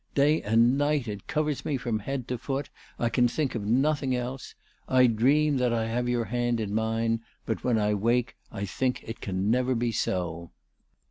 Day and night it covers me from head to foot. I can think of nothing else. I dream that I have your hand in mine, but when I wake I think it can never be so."